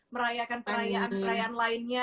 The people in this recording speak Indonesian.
merayakan perayaan lainnya